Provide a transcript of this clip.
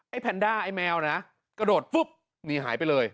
แพนด้าไอ้แมวนะกระโดดปุ๊บหนีหายไปเลย